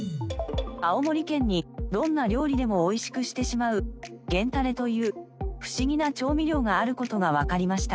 青森県にどんな料理でもおいしくしてしまう源たれというフシギな調味料がある事がわかりました。